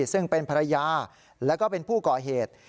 ซึ่งเป็นภรรยาแล้วก็เป็นผู้ก่อเหตุ